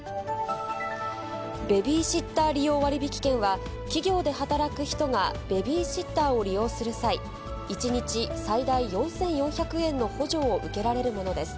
ベビーシッター利用割引券は、企業で働く人がベビーシッターを利用する際、１日最大４４００円の補助を受けられるものです。